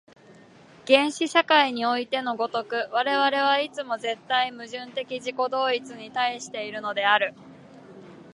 原始社会においての如く、我々はいつも絶対矛盾的自己同一に対しているのである。